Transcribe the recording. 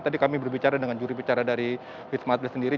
tadi kami berbicara dengan juri bicara dari wisma atlet sendiri